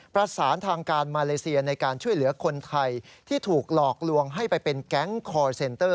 ประสานทางการมาเลเซียในการช่วยเหลือคนไทยที่ถูกหลอกลวงให้ไปเป็นแก๊งคอร์เซนเตอร์